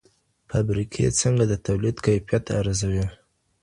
فابریکې څنګه د تولید کیفیت ارزوي؟